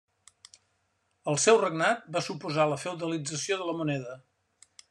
El seu regnat va suposar la feudalització de la moneda.